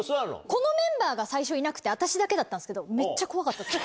このメンバーが最初、いなくて、私だけだったんですけど、めっちゃ怖かったです。